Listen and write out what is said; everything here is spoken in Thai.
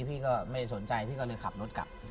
พี่ก็ไม่สนใจพี่ก็เลยขับรถกลับ